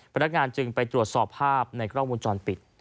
พนักงานจึงไปตรวจสอบภาพในกล้องวงจรปิด